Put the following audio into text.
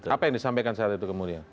apa yang disampaikan saat itu ke murya